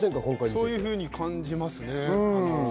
そういうふうに感じますね。